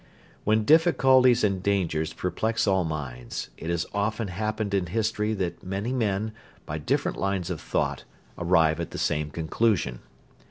When difficulties and dangers perplex all minds, it has often happened in history that many men by different lines of thought arrive at the same conclusion.